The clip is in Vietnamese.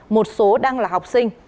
một số đang là học sinh